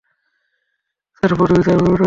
তার পদবী, তার পুরো নাম।